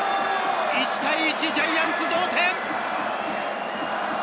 １対１、ジャイアンツ同点！